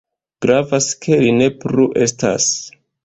Gravas, ke li ne plu estas.